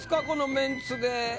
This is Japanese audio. このメンツで。